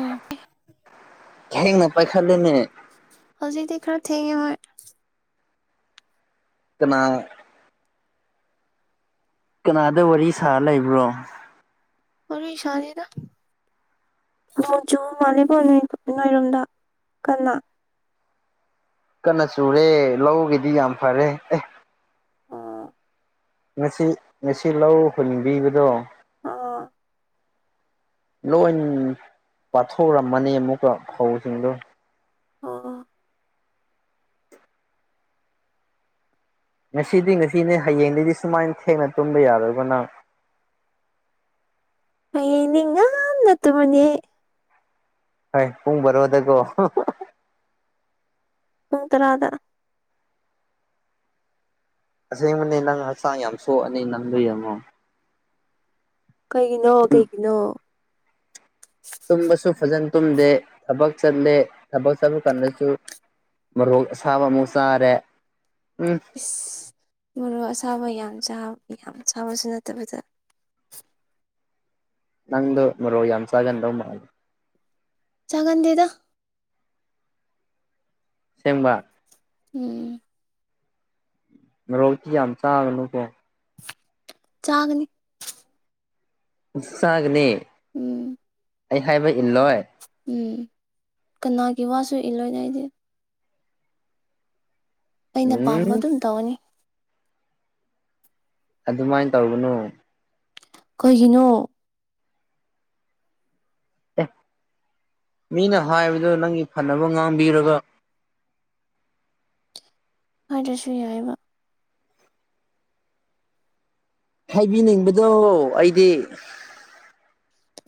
ꯎꯝ ꯊꯦꯡꯅ ꯄꯥꯏꯈꯠꯂꯦꯅꯦ ꯍꯧꯖꯤꯛꯇꯤ ꯈꯔ ꯊꯦꯡꯉꯦ ꯍꯣꯏ ꯀꯅꯥ ꯀꯅꯥꯗ ꯋꯥꯔꯤ ꯁꯥꯔ ꯂꯩꯕ꯭ꯔꯣ ꯋꯥꯔꯤ ꯁꯥꯗꯦꯗ ꯅꯣꯡ ꯆꯨꯕ ꯃꯥꯂꯕꯣ ꯅꯣ ꯅꫭꯏꯔꯣꯝꯗ ꯀꯟꯅ ꯀꯟꯅ ꯆꯨꯔꯦ ꯂꯧꯒꯤꯗꯤ ꯌꯥꯝ ꯐꯔꯦ ꯑꯦ ꯑꯣ ꯉꯁꯤ ꯉꯁꯤ ꯂꯧ ꯍꯨꯟꯕꯤꯕꯗꯣ ꯑꯣ ꯂꯣꯏ ꯄꯥꯊꯣꯛꯔꯝꯃꯅꯤ ꯑꯃꯨꯛꯀ ꯐꯧꯁꯤꯡꯗꯣ ꯑꯣ ꯉꯁꯤꯗꯤ ꯉꯁꯤꯅꯦ ꯍꯌꯦꯡꯗꯒꯤꯩꯗꯤ ꯁꯨꯃꯥꯏꯅ ꯊꯦꯡꯅ ꯇꯨꯝꯕ ꯌꯥꯗꯕꯅ ꯑꯩꯅꯤꯡꯉ ꯑꯠꯇ ꯃꯅꯤꯦ ꯍꯣꯏ ꯄꯨꯡ ꯔꯣꯗꯀꯣ ꯎ ꯇꯔꯥꯗ ꯑꯁꯦꯡꯕꯅꯦ ꯅꯪ ꯍꯛꯆꯥꯡ ꯌꯥꯝ ꯁꯣꯛꯑꯅꯤ ꯅꯪꯗꯏꯔꯃꯣ ꯀꯩꯒꯤꯅꯣ ꯀꯩꯒꯤꯅꯣ ꯇꯨꯝꯕꯁꯨ ꯐꯖꯅ ꯇꯨꯝꯗꯦ ꯊꯕꯛ ꯆꯠꯂꯦ ꯊꯕꯛ ꯆꯠꯄ ꯀꯥꯟꯗꯁꯨ ꯃꯔꯣꯛ ꯑꯁꯥꯕ ꯑꯃꯨꯥꯎ ꯆꯥꯔꯦ ꯎꯝ ꯏꯁ ꯃꯔꯨ ꯑꯁꯥꯕ ꯌꯥꯝ ꯌꯥꯝ ꯆꯥꯕꯁꯨ ꯅꯠꯇꯕꯗ ꯅꯪꯗꯨ ꯔꯣ ꯌꯥꯝꯁꯒꯟꯗꯧ ꯃꯥꯦ ꯆꯒꯟꯗꯦꯗ ꯁꯦꯝꯦꯡꯕ ꯎꯝ ꯔꯣꯛꯇꯤ ꯌꯥꯝ ꯆꯥꯕꯅꯨꯀꯣ ꯆꯥꯒꯅꯤ ꯁꯥꯅꯦ ꯎꯝ ꯑꯩ ꯍꯥꯏꯕ ꯏꯜꯂꯣꯏ ꯎꯝ ꯀꯅꯥꯒꯤ ꯋꯥꯁꯨ ꯏ ꯂꯣꯏꯅꯣ ꯑꯩꯗꯤ ꯑꯩꯅ ꯄꯥꯝꯕ ꯎꯝ ꯑꯗꯨꯝ ꯇꯧꯔꯅꯤ ꯑꯗꯨꯃꯥꯏꯅ ꯇꯒꯅꯨ ꯀꯩꯒꯤꯅꯣ ꯑꯦ ꯃꯤꯅ ꯍꯥꯏꯕꯗꯨ ꯅꯪꯒꯤ ꯐꯅꯕ ꯉꯥꯡꯕꯤꯔꯒ ꯍꯥꯏꯗꯁꯨ ꯌꯥꯏꯑꯕ ꯍꯥꯏꯕꯤꯅꯤꯡꯕꯗꯣ ꯑꯩꯗꯤ꯫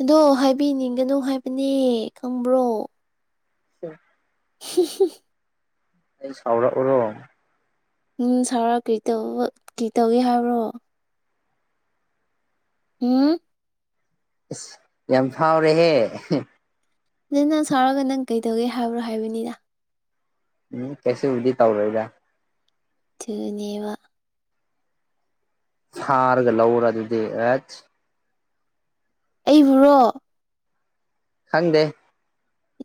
ꯑꯗꯣ ꯍꯥꯏꯕꯤꯅꯤꯡꯒꯅꯨ ꯍꯥꯏꯕꯅꯦ ꯈꯪꯕ꯭ꯔꯣ꯫ [inaudible] [unintelligible] ꯑꯩ ꯁꯥꯎꯔꯛꯎꯔꯣ꯫ ꯎꯝ ꯁꯥꯔ ꯀꯔꯤꯇꯧꯕ ꯀꯩ ꯇꯧꯒꯦ ꯍꯥꯏꯕ꯭ꯔꯣ꯫ ꯍꯨꯝ꯫ ꯑꯁ ꯌꯥꯝ ꯐꯥꯎꯔꯦꯍꯦ꯫ ꯅꯠꯇꯦ ꯅꯪ ꯁꯥꯎꯔꯒ ꯅꯪ ꯀꯩꯗꯧꯒꯦ ꯍꯥꯏꯕ꯭ꯔꯣ ꯍꯥꯏꯕꯅꯤꯗ꯫ ꯎꯝ ꯀꯩꯁꯨꯕꯨꯗꯤ ꯇꯧꯔꯣꯏꯗ꯫ ꯑꯗꯨꯅꯤꯕ꯫ ꯍꯥꯔꯒ ꯂꯧꯔ ꯑꯗꯨꯗꯤ ꯑꯦꯠ꯫ ꯑꯩꯕꯨꯨꯔꯣ꯫ ꯈꯪꯗꯦ꯫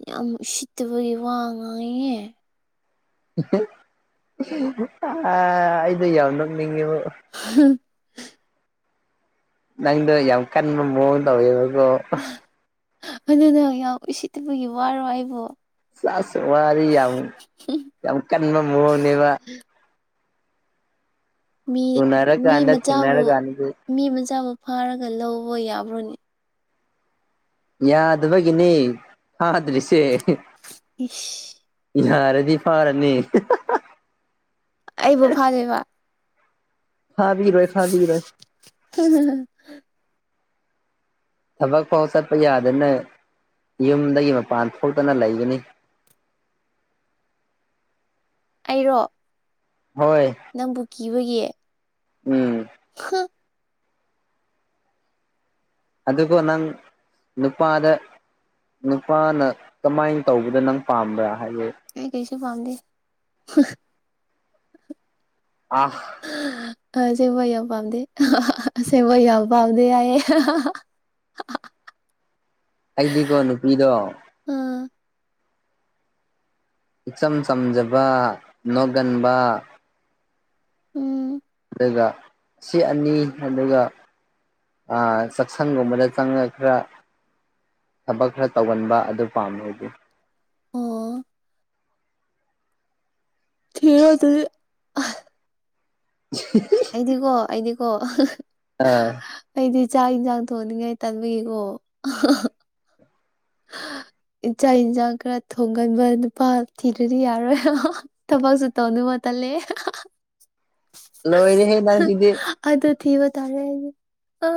ꯌꯥꯝ ꯁꯤꯠꯇꯕꯒꯤ ꯋꯥ ꯉꯥꯡꯉꯤꯌꯦ꯫ ꯑꯩꯗꯣ ꯌꯥꯝ ꯅꯣꯛꯅꯤꯡꯉꯦꯕꯣ꯫ [unintelligible] ꯅꯪꯗꯣ ꯌꯥꯝ ꯀꯟꯕ ꯃꯑꯣꯡ ꯇꯧꯋꯦꯕꯀꯣ꯫ ꯑꯗꯨꯗꯣ ꯌꯥꯝ ꯎꯁꯤꯠꯇꯥꯕꯒꯤ ꯋꯥꯔꯣ ꯑꯩꯕꯨ꯫ ꯁꯥꯁ ꯋꯥꯔꯤ ꯌꯥꯝ ꯌꯥꯝ ꯀꯟꯕ ꯃꯑꯣꯡꯅꯦꯕ꯫ ꯃꯤ ꯃꯤ ꯎꯅꯔꯀꯥꯟꯗ ꯃꯆꯥꯕꯨ ꯊꯦꯡꯅꯔꯀꯥꯟꯗꯗꯤ ꯃꯤ ꯃꯆꯥꯕꯨ ꯐꯥꯔꯒ ꯂꯧꯕ ꯌꯥꯕ꯭ꯔꯣꯅꯦ꯫ ꯌꯥꯗꯕꯒꯤꯅꯤ ꯐꯥꯗꯔꯤꯁꯦ꯫ ꯏꯁ꯫ ꯌꯥꯔꯗꯤ ꯐꯥꯔꯅꯤ꯫ ꯑꯩꯕꯨ ꯐꯗꯣꯏꯕ꯫ ꯐꯕꯤꯔꯣꯏ ꯐꯕꯤꯔꯣꯏ꯫ [unintelligible] ꯊꯕꯛ ꯐꯥꯎ ꯆꯠꯄ ꯌꯥꯗꯅ ꯌꯨꯝꯗꯒꯤ ꯃꯄꯥꯟ ꯊꯣꯛꯇꯅ ꯂꯩꯒꯅꯤ꯫ ꯑꯩꯔꯣ꯫ ꯍꯣꯏ꯫ ꯅꯪꯕꯨ ꯀꯤꯕꯒꯤ꯫ ꯎꯝ꯫ [unintelligible] ꯑꯗꯨꯒꯣ ꯅꯪ ꯅꯨꯄꯥꯗ ꯅꯨꯄꯥꯅ ꯀꯃꯥꯏꯅ ꯇꯧꯕꯗ ꯅꯪ ꯄꯥꯝꯕ꯭ꯔꯥ ꯍꯥꯏꯗꯤ꯫ ꯑꯩ ꯀꯩꯁꯨ ꯄꯥꯝꯗꯦ [unintelligible] ꯑ꯫ ꯁꯦꯕ ꯌꯥꯝ ꯑꯁꯦꯡꯕꯩ ꯌꯥꯝ ꯄꯥꯝꯗꯦ ꯍꯥꯏꯌꯦ꯫ ꯑꯩꯗꯤꯀꯣ ꯅꯨꯄꯤꯗꯣ ꯑꯥ ꯏꯆꯝ ꯆꯝꯖꯕ ꯅꯣꯛꯒꯟꯕ꯫ ꯎꯝ꯫ ꯑꯗꯨꯒ ꯁꯤ ꯑꯅꯤ ꯑꯗꯨꯒ ꯑꯥ ꯆꯥꯛꯁꯪꯒꯨꯝꯕꯗ ꯆꯪꯉ ꯈꯔ ꯊꯕꯛ ꯈꯔ ꯇꯧꯒꯟꯕ ꯑꯗꯨ ꯄꯥꯝꯃꯦ ꯑꯩꯗꯤ꯫ ꯑꯣ ꯊꯤꯔꯣ ꯑꯗꯨꯗꯤ꯫ [unintelligible] ꯑꯩꯗꯤꯀꯣ ꯑꯩꯗꯤꯀꯣ꯫ ꯑꯥ꯫ ꯑꯩꯗꯤ ꯆꯥꯛ ꯌꯦꯟꯁꯥꯡ ꯊꯣꯡꯅꯤꯡꯉꯥꯏ ꯇꯟꯕꯤꯒꯤꯀꯣ [inaudible] ꯏꯆꯥꯥꯛ ꯏꯟꯁꯥꯡ ꯈꯔ ꯊꯣꯡꯒꯟꯕ ꯅꯨꯄꯥ ꯊꯤꯔꯗꯤ ꯌꯥꯔꯣꯏ ꯇꯕꯥꯒꯁꯨ ꯇꯅ ꯃꯥ ꯇꯂꯦ ꯂꯣꯏꯔꯤ ꯍꯦ ꯅꯁꯤꯗꯤ ꯑꯗꯨ ꯊꯤꯕ ꯇꯥꯔꯦꯗꯤ ꯑ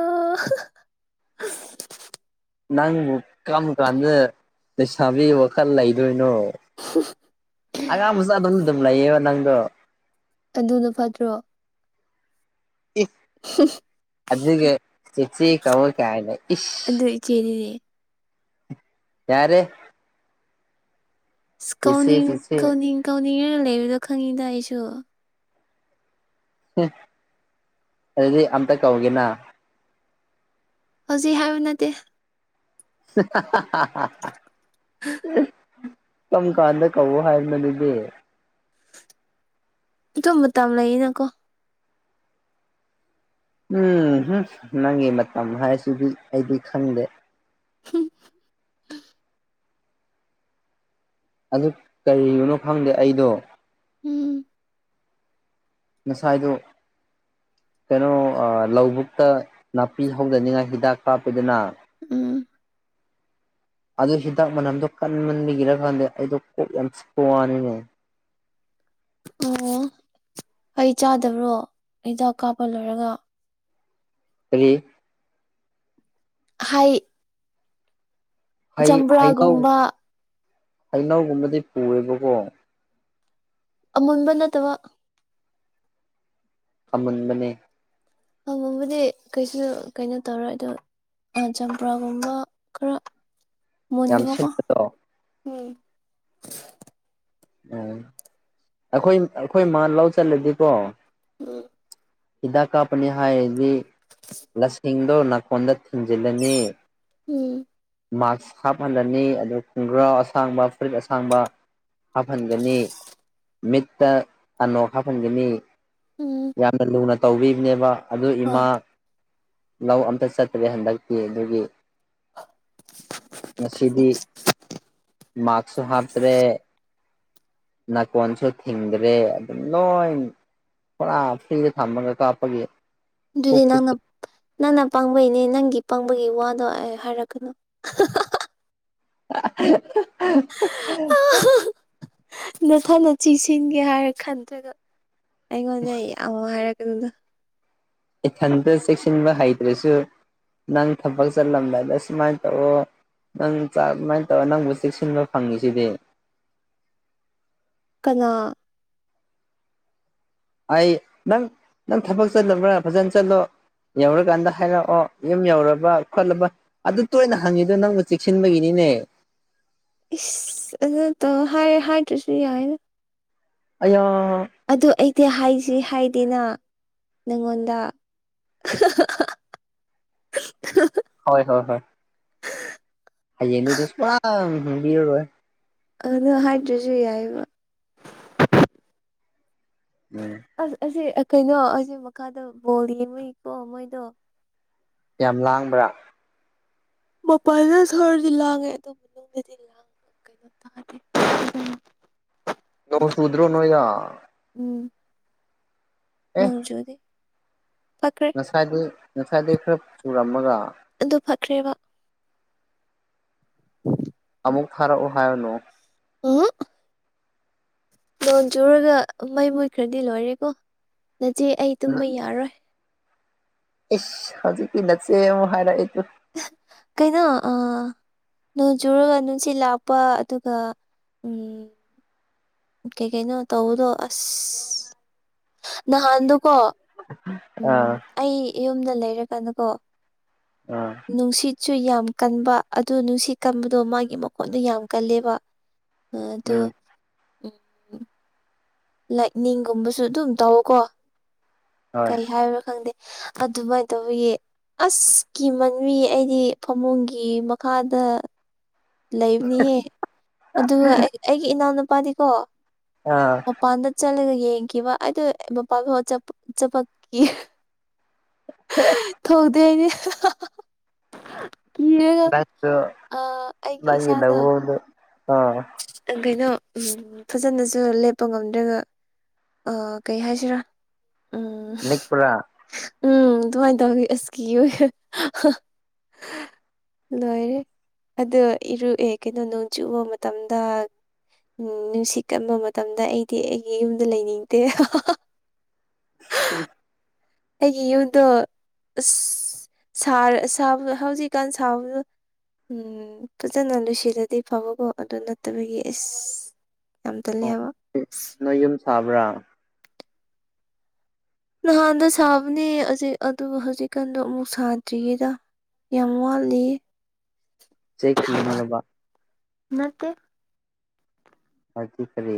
ꯅꯪꯕꯨ ꯀꯔꯝ ꯀꯥꯟꯝꯗ ꯂꯩꯁꯥꯕꯤ ꯋꯥꯈꯜ ꯂꯩꯗꯣꯏꯅꯣ ꯑ ꯑꯒꯥꯡ ꯃꯁꯥꯗꯣ ꯑꯗꯨꯝ ꯂꯩꯌꯦ ꯅꯪꯣ ꯑꯗꯨꯅ ꯐꯠꯇ꯭ꯔꯣ ꯏ ꯑꯗꯨꯒ ꯆꯦꯆꯤ ꯀꯋꯥ ꯀ ꯍꯥꯏꯂ ꯏꯁ ꯆꯔꯤꯅꯦ ꯌꯥꯔꯦ ꯑ ꯆꯦꯆꯦ ꯀꯅꯤꯡ ꯆꯦꯆꯦ ꯀꯅꯤꯡ ꯀꯥꯎꯅꯤꯡꯅ ꯂꯩꯕꯗꯣ ꯈꯪꯉꯤꯗ ꯑꯩꯁꯨ ꯑꯗꯨꯗꯤ ꯑꯝꯇ ꯀꯧꯒꯦꯅ ꯍꯧꯖꯤꯛ ꯍꯥꯏꯌ ꯅꯠꯇꯦ [unintelligible] ꯀꯝ ꯀꯥꯟꯗ ꯀꯋꯥꯨ ꯍꯥꯏ ꯃ ꯂꯩꯗꯦ ꯑꯗꯨ ꯃꯇꯝ ꯂꯩꯅꯀꯣ ꯎꯝ ꯅꯪꯒꯤ ꯃꯇꯝ ꯍꯥꯏꯁꯤꯗꯤ ꯑꯩꯗꯤ ꯈꯪꯗꯦ ꯎ ꯑꯗꯨ ꯀꯔꯤꯒꯤꯅꯣ ꯈꯪꯗꯦ ꯑꯩꯗꯣ ꯎꯝ ꯉꯁꯥꯏꯗꯨꯣ ꯀꯩꯅꯣ ꯂꯧꯕꯨꯛꯇ ꯅꯥꯄꯤ ꯍꯧꯗꯅꯤꯡꯉꯥꯏ ꯍꯤꯗꯥꯛ ꯀꯥꯞꯄꯗꯨꯅ ꯎꯝ ꯑꯗꯨ ꯍꯤꯗꯥꯛ ꯃꯅꯝꯗꯣ ꯀꯟꯃ ꯂꯤꯔꯀꯥꯟꯗ ꯑꯩꯗꯣ ꯀꯣꯛ ꯌꯥꯝ ꯆꯄꯅꯤꯅꯦ ꯑꯣ ꯑꯩ ꯆꯥꯗꯕ꯭ꯔꯣ ꯍꯤꯗꯥꯛ ꯀꯥꯞꯄ ꯂꯣꯏꯔꯒ ꯇꯔꯤ ꯍꯥꯏ ꯍꯩ ꯍꯩꯅꯧ ꯆꯝꯄ꯭ꯔꯥꯒꯨꯝꯕ ꯍꯩꯅꯧꯒꯨꯝꯕꯗꯤ ꯄꯨꯑꯦꯕꯀꯣ ꯃꯟꯕꯟꯅꯠꯇꯕ ꯑꯃꯨꯟꯕꯅꯤ ꯃꯕꯨꯗꯤ ꯀꯩꯁꯨ ꯀꯩꯅꯣ ꯇꯧꯔꯣꯏ ꯑꯗꯣ ꯑ ꯆꯝꯄ꯭ꯔꯥꯒꯨꯝꯕ ꯈꯔ ꯌꯥꯝ ꯃꯟꯖꯕ ꯁꯤꯟꯕꯗꯣ ꯀ ꯎꯝ ꯑꯩꯈꯣꯏ ꯑꯩꯈꯣꯏ ꯃꯥ ꯂꯧ ꯆꯠꯂꯗꯤꯀꯣ ꯍꯤꯗꯥꯛ ꯀꯥꯞꯄꯅꯤ ꯍꯥꯏꯔꯗꯤ ꯂꯁꯤꯡꯗꯣ ꯐꯣꯟꯗ ꯊꯤꯟꯖꯤꯜꯂꯅꯤ ꯎꯝ ꯃꯥꯛꯁ ꯍꯥꯞꯍꯜꯂꯅꯤ ꯑꯗꯨ ꯈꯣꯡꯒ꯭ꯔꯥ ꯑꯁꯥꯡꯕ ꯐꯨꯔꯤꯏꯠ ꯑꯁꯥꯡꯕ ꯍꯥꯞꯍꯟꯒꯅꯤ ꯃꯤꯠꯇ ꯑꯅꯣꯛ ꯍꯥꯞꯍꯟꯒꯅꯤ ꯎꯝ ꯌꯥꯝꯅ ꯂꯨꯅ ꯇꯧꯕꯤꯕꯅꯦꯕ ꯑꯗꯨ ꯑꯣ ꯏꯃꯥ ꯂꯧ ꯑꯝꯇ ꯆꯠꯇ꯭ꯔꯦ ꯍꯟꯗꯛꯇꯤ ꯑꯗꯨꯒꯤ ꯉꯁꯤꯗꯤ ꯃꯥꯔꯁꯨ ꯍꯥꯞꯇ꯭ꯔꯦ ꯅꯥꯀꯣꯟꯁꯨ ꯊꯤꯡꯗ꯭ꯔꯦ ꯑꯗꯨꯝ ꯂꯣꯏ ꯄꯨꯔꯥ ꯐ꯭ꯔꯤꯗ ꯊꯝꯃꯒ ꯀꯥꯞꯄꯒꯤ ꯀꯣꯛ ꯑꯗꯨꯗꯤ ꯅꯪꯅ ꯆꯤꯛꯄ ꯅꯪꯅ ꯄꯥꯡꯕꯩꯅꯦ ꯅꯪꯒꯤ ꯄꯥꯡꯕꯒꯤ ꯋꯥꯗꯣ ꯑꯩ ꯍꯥꯏꯔꯛꯀꯅꯨ [unintelligible] ꯅꯊꯅ ꯆꯤꯁꯤꯟꯒꯦ ꯍꯥꯏꯔ ꯈꯟꯗ꯭ꯔꯒ ꯑꯩꯉꯣꯟꯗ ꯑꯃ ꯍꯥꯏꯔꯛꯀꯗꯨꯗ ꯏꯊꯟꯇ ꯆꯦꯛꯁꯤꯟꯕ ꯍꯩꯇ꯭ꯔꯁꯨ ꯅꯪ ꯊꯕꯛ ꯆꯠꯂꯝꯗꯥꯗ ꯁꯨꯃꯥꯏꯅ ꯇꯧꯑꯣ ꯅꯪ ꯆ ꯑꯗꯨꯃꯥꯏꯅ ꯇꯧꯔ ꯅꯪꯕꯨ ꯆꯦꯛꯁꯤꯟꯕ ꯐꯪꯉꯤꯁꯤꯗꯤ ꯀꯅꯥ ꯑꯩ ꯅꯪ ꯅꯪ ꯊꯕꯛ ꯆꯠꯂꯕ꯭ꯔꯥ ꯐꯖꯅ ꯆꯠꯂꯣ ꯌꯧꯔꯀꯥꯟꯗ ꯍꯥꯏꯔꯛꯑꯣ ꯌꯨꯝ ꯌꯧꯔꯕ ꯈꯣꯠꯂꯕ ꯑꯗꯨ ꯇꯣꯏꯅ ꯍꯪꯉꯤꯗꯣ ꯅꯪꯕꯨ ꯆꯦꯛꯁꯤꯟꯕꯒꯤꯅꯤꯅꯦ ꯏꯁ ꯑꯗꯨ ꯇ ꯍꯥꯏ ꯍꯥꯏꯗ꯭ꯔꯁꯨ ꯌꯥꯏꯅ ꯑ ꯑꯗꯨ ꯑꯩꯗꯤ ꯍꯥꯏꯁꯤ꯭ꯔꯤ ꯍꯥꯏꯗꯅ ꯅꯪꯉꯣꯟꯗ [unintelligible] [unintelligible] ꯍꯣꯏ ꯍꯣꯏ ꯍꯣꯏ ꯍꯥꯏꯌꯦꯡꯅꯤꯇꯁ ꯄꯨꯔꯥ ꯍꯤꯟꯗꯤ ꯔꯣꯏꯦ ꯑꯗꯨꯗ ꯍꯥꯏꯗ꯭ꯔꯁꯨ ꯌꯥꯏꯑꯕ ꯎꯝ ꯑꯁ ꯑꯁꯤꯁ ꯀꯩꯅꯣ ꯑꯁꯤꯁꯦ ꯃꯈꯥꯗ ꯕꯣꯜ ꯌꯦꯡꯉꯨꯏꯀꯣ ꯃꯣꯏꯗꯣ ꯌꯥꯝ ꯂꯥꯡꯕ꯭ꯔꯥ ꯃꯄꯜꯅ ꯁꯣꯔꯗꯤ ꯂꯥꯡꯉꯦ ꯑꯗꯨ ꯃꯅꯨꯡꯗꯗꯤꯦ ꯅ ꯁꯨꯗ꯭ꯔꯣ ꯅ ꯌꯥ ꯎꯝ ꯅꯣꯡꯖꯨꯗꯤ ꯐꯈ꯭ꯔꯦ ꯉꯁꯥꯏꯗꯒꯤꯩ ꯉꯁꯥꯏꯗꯒꯤꯩ ꯈꯔ ꯆꯨꯔꯝꯃꯒ ꯑꯗꯨ ꯐꯈ꯭ꯔꯦꯕ ꯎ ꯑꯃꯨꯛ ꯐꯔꯛꯎ ꯍꯥꯏꯔꯅꯨ ꯂꯣꯟ ꯆꯨꯔꯒ ꯃꯩ ꯃꯨꯠꯈ꯭ꯔꯗꯤ ꯂꯣꯏꯔꯦꯀꯣ ꯅꯆꯦ ꯑꯩ ꯇꯨꯝꯕ ꯌꯥꯔꯣꯏ ꯏꯁ ꯍꯧꯖꯤꯛꯀꯤ ꯅꯠꯁꯦ ꯑꯃꯨ ꯍꯥꯏꯔꯛꯑꯦ ꯀꯩꯅꯣ ꯑ ꯅꯣꯡ ꯆꯨꯔꯒ ꯅꯨꯡꯁꯤꯠ ꯂꯥꯛꯄ ꯑꯗꯨꯒ ꯀꯩ ꯀꯩꯅꯣ ꯇꯧꯕꯗꯣ ꯑꯁ ꯅꯍꯥꯟꯗꯨꯀꯣ ꯎꯝ ꯑꯥ ꯑꯩ ꯌꯨꯝꯗ ꯂꯩꯔꯀꯅꯨꯀꯣ ꯎꯝ ꯅꯨꯡꯁꯤꯠꯁꯨ ꯌꯥꯝ ꯀꯟꯕ ꯑꯗꯨ ꯅꯨꯡꯁꯤꯠ ꯀꯟꯕꯗꯣ ꯃꯥꯒꯤ ꯃꯈꯣꯟꯠꯅ ꯌꯥꯝ ꯀꯜꯂꯦꯕ ꯑꯗꯣ ꯎꯝ ꯎꯝ ꯂꯥꯏꯅꯤꯡꯒꯨꯝꯕꯁꯨ ꯑꯗꯨꯝ ꯇꯧꯋꯀꯣ ꯍꯣꯏ ꯀꯔꯤ ꯍꯥꯏꯕ꯭ꯔꯣ ꯈꯪꯗꯦ ꯑꯗꯨꯃꯥꯏꯅ ꯇꯧꯧꯕꯒꯤ ꯑꯁꯀꯤ ꯃꯟꯕꯤ ꯑꯩꯗꯤ ꯐꯃꯨꯡꯒꯤ ꯃꯈꯥꯗ ꯂꯩꯕꯅꯤꯍꯦ ꯑꯗꯨꯒ ꯑꯩꯒꯤ ꯏꯅꯥꯎꯅꯨꯄꯥꯗꯤꯀꯣ ꯑꯥ ꯃꯄꯥꯟꯗ ꯆꯠꯂꯒ ꯌꯦꯡꯈꯤꯕ ꯑꯩꯗꯣ ꯃꯄꯗ ꯆꯄ [unintelligible] ꯊꯣꯛꯣꯡꯇꯦ ꯍꯥꯏꯅꯦ ꯗꯏꯇ ꯏꯁꯁꯥꯗ ꯀꯩꯅꯣ ꯐꯖꯅꯁꯨ ꯂꯦꯞꯄ ꯉꯝꯗ꯭ꯔꯒ ꯑ ꯀꯩ ꯍꯥꯏꯁꯤꯔꯥ ꯎꯝ ꯅꯤꯛꯄ꯭ꯔꯥ ꯎꯝ ꯑꯗꯨꯃꯥꯏꯅ ꯇꯧꯋ ꯑꯁꯀꯤ ꯑꯣꯏ ꯂꯣꯏꯔꯦ ꯑꯗ ꯏꯔꯨꯑꯦ ꯀꯩꯅꯣ ꯅꯣꯡ ꯆꯨꯕ ꯃꯇꯝꯗ ꯎꯝ ꯅꯨꯡꯁꯤꯠ ꯀꯟꯕ ꯃꯇꯝꯗ ꯑꯩꯗꯤ ꯑꯩꯒꯤ ꯌꯨꯝꯗ ꯂꯩꯅꯤꯡꯗꯦ ꯎ ꯑꯩꯒꯤ ꯌꯨꯝꯗꯣ ꯑ ꯁꯥꯕ ꯍꯧꯖꯤꯛꯀꯥꯟ ꯁꯥꯕꯗ ꯎꯝ ꯐꯖꯅ ꯂꯣꯏꯁꯤꯜꯂꯗꯤ ꯐꯕꯀꯣ ꯑꯗꯨ ꯅꯠꯇꯕꯒꯤ ꯑꯦꯁ ꯌꯥꯝꯝ ꯇ ꯂ ꯍꯥꯏꯕ ꯅꯣꯏ ꯌꯨꯝ ꯁꯥꯕ꯭ꯔꯥ ꯅꯍꯥꯟꯗ ꯁꯥꯕꯅꯦꯛ ꯑꯗꯨ ꯍꯧꯖꯤꯛꯀꯥꯟꯗꯣ ꯑꯃꯨꯛ ꯁꯥꯗ꯭ꯔꯤꯌꯦꯗ ꯌꯥꯝ ꯋꯥꯠꯂꯤ ꯆꯦꯛ ꯀ ꯌꯨꯝꯂꯕ ꯅꯠꯇꯦ ꯍꯧꯗꯤ ꯀꯔꯤ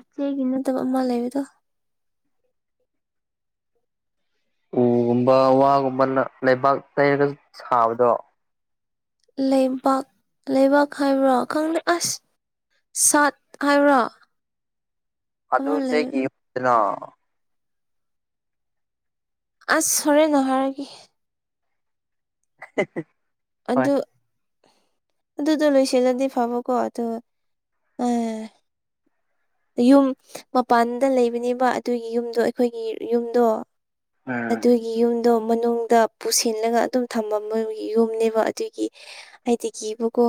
ꯏꯆꯦꯒꯤ ꯅꯠꯇꯕ ꯑꯃ ꯂꯩꯕꯗꯣ ꯎꯒꯨꯝꯕ ꯋꯥꯒꯨꯝꯕ ꯂꯩꯕꯥꯛ ꯂꯩꯩꯔꯒ ꯁꯥꯕꯗꯣ ꯂꯩꯕꯥꯛ ꯂꯩꯕꯥꯛ ꯍꯥꯏꯕ꯭ꯔꯣ ꯈꯪꯗ ꯑꯁ ꯁꯥꯠ ꯍꯥꯏꯔꯣ ꯑꯗꯨꯁꯒꯤꯅ ꯑꯁ ꯍꯔ ꯅꯍꯔ ꯀ [inaudible] ꯍꯣꯏ ꯑꯗꯨ ꯑꯗꯨꯗꯣ ꯂꯣꯏꯁꯤꯜꯂꯗꯤ ꯐꯕꯀꯣ ꯑ ꯌꯨꯝ ꯃꯄꯥꯟꯗ ꯂꯩꯕꯅꯦꯕ ꯑꯗꯨꯒꯤ ꯌꯨꯝꯗꯣ ꯑꯩꯈꯣꯏꯒꯤ ꯌꯨꯝꯗꯣ ꯎꯝ ꯑꯗꯨ ꯒꯤ ꯌꯨꯝꯗꯣ ꯃꯅꯨꯡꯗ ꯄꯨꯁꯤꯜꯂꯒ ꯑꯗꯨꯝ ꯊꯝꯃꯝꯕꯒꯤ ꯌꯨꯝꯅꯦꯕ ꯑꯗꯨꯒꯤ ꯑꯩꯗꯤ ꯀꯤꯕꯀꯣ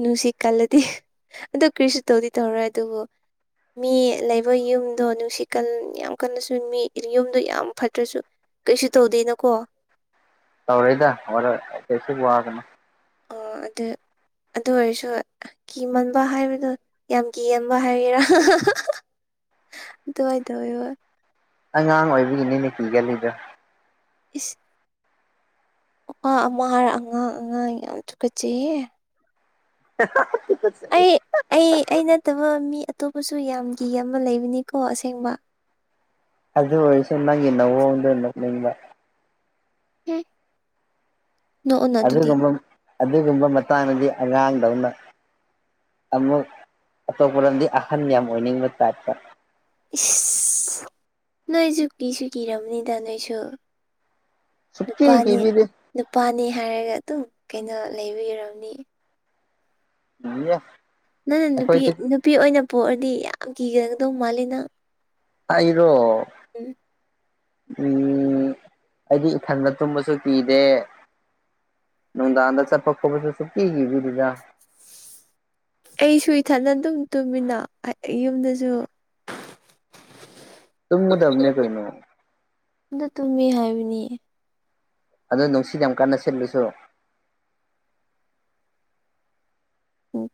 ꯅꯨꯡꯁꯤ ꯀꯜꯂꯗꯤ ꯑꯗꯨ ꯀ꯭ꯔꯤꯁꯨ ꯇꯧꯗꯤ ꯇꯧꯔꯣꯏ ꯑꯗꯨꯕꯨ ꯃꯤ ꯂꯩꯕ ꯌꯨꯝꯗꯣ ꯅꯨꯡꯁꯤꯀꯜ ꯌꯥꯝ ꯀꯟꯅꯁꯨ ꯃꯤ ꯌꯨꯝꯗꯣ ꯌꯥꯝ ꯐꯠꯇ꯭ꯔꯁꯨ ꯀꯩꯁꯨ ꯇꯧꯗꯦꯅꯀꯣ ꯇꯧꯔꯦꯗ ꯍ ꯀꯩꯁꯨ ꯋꯥꯒꯅ ꯑꯣ ꯑꯗꯨ ꯑꯗꯨ ꯑꯣꯏꯔꯁꯨ ꯀꯤꯃꯟꯕ ꯍꯥꯏꯕꯗꯣ ꯌꯥꯝ ꯀꯤꯍꯟꯕ ꯍꯥꯏꯒꯦꯔꯥ ꯑ ꯑꯗꯨ ꯍꯣꯏꯗ ꯑꯣꯏ ꯑꯉꯥꯡ ꯑꯣꯏꯕꯒꯤꯅꯤꯅꯦ ꯀꯤ ꯒꯜꯂꯤꯗꯣ ꯏꯁ ꯑꯥ ꯑꯃꯨꯛ ꯑꯔ ꯑꯉꯥꯡ ꯑꯉꯥꯡ ꯌꯥꯝ ꯆꯀꯠꯆꯦꯌꯦ [inaudible] ꯑꯩ ꯑꯩ ꯑꯩ ꯅꯠꯇꯕ ꯃꯤ ꯑꯇꯣꯞꯄꯁꯨ ꯌꯥꯝꯒꯤꯤ ꯑꯃ ꯂꯩꯕꯅꯤꯀꯣ ꯑꯁꯦꯡꯕ ꯑꯗꯨ ꯑꯣꯏꯔꯁꯨꯦ ꯅꯪꯒꯤ ꯅꯑꯣꯡꯗ ꯅꯛꯅꯤꯡꯕ ꯍꯝ ꯅꯣꯛꯑꯣꯅ ꯑꯗꯨꯗꯤ ꯑꯗꯨꯒꯨꯝꯕ ꯑꯗꯨꯒꯨꯝꯕ ꯃꯇꯥꯡꯗꯗꯤ ꯑꯉꯥꯡꯗꯧꯅ ꯑꯃꯨꯛ ꯑꯇꯣꯞꯄ ꯂꯣꯗꯤ ꯑꯍꯟ ꯌꯥꯝ ꯑꯣꯏꯅꯤꯡꯕ ꯇꯥꯏꯞꯇ ꯏꯁ ꯅꯣꯏꯁꯨ ꯀꯤꯁꯨ ꯀꯤꯔꯕꯅꯤꯗ ꯅꯣꯏꯁꯨ ꯁꯨꯛꯀꯤ ꯅꯨꯄꯥꯅꯤ ꯀꯤꯕꯤꯗꯦ ꯅꯨꯄꯥꯅꯤ ꯍꯥꯏꯔꯒ ꯑꯗꯨꯝ ꯀꯩꯅꯣ ꯂꯩꯕꯤꯔꯝꯅꯤ ꯎ ꯅꯪꯅ ꯅꯨꯄꯤ ꯅꯨꯄꯤ ꯑꯣꯏꯅ ꯄꯣꯛꯑꯗꯤ ꯌꯥꯝ ꯀꯤꯒꯗꯒꯗꯧ ꯃꯥꯜꯂꯤꯅ ꯑ ꯏꯔꯣ ꯎꯝ ꯎ ꯑꯩꯗꯤ ꯏꯊꯟꯗ ꯇꯨꯝꯕꯁꯨ ꯄꯤꯗꯦ ꯅꯅꯨꯡꯗꯥꯗ ꯆꯄ ꯈ ꯄꯁꯨꯛꯤꯗ ꯑꯩꯁꯨ ꯏꯊꯅ ꯑꯗꯨꯝ ꯇꯨꯝꯃꯤꯅ ꯌꯨꯝꯗꯁꯨ ꯇꯨꯃꯨꯗꯝꯝꯅꯦ ꯀꯣꯏꯅ ꯑ ꯇꯨꯝꯃꯤ ꯍꯥꯏꯕꯅꯤꯌꯦ ꯑꯗꯨꯣ ꯅꯨꯡꯁꯤꯠ ꯌꯥꯝ ꯀꯥꯟꯟꯅ ꯁꯤꯠꯂꯨꯁꯨ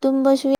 ꯇꯁ